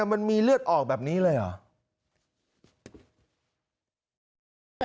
มันมีเลือดออกแบบนี้เลยเหรอ